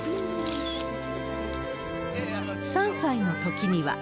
３歳のときには。